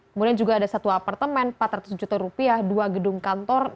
kemudian juga ada satu apartemen empat ratus juta rupiah dua gedung kantor